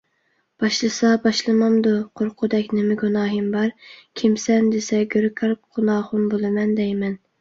باشلىسا باشلىمامدۇ، قورققۇدەك نېمە گۇناھىم بار. «كىمسەن؟» دېسە، «گۆركار قۇناخۇن بولىمەن» دەيمەن...